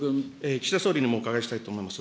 岸田総理にもお伺いしたいと思うんです。